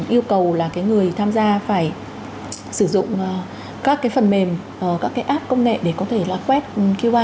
yêu cầu là cái người tham gia phải sử dụng các cái phần mềm các cái app công nghệ để có thể là quét qr